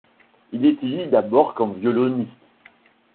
Il étudie d'abord comme violoniste.